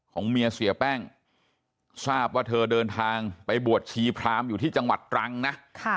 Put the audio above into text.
เมียเสียแป้งทราบว่าเธอเดินทางไปบวชชีพรามอยู่ที่จังหวัดตรังนะ